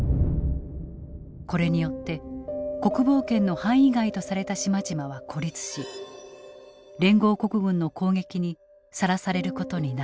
これによって国防圏の範囲外とされた島々は孤立し連合国軍の攻撃にさらされることになった。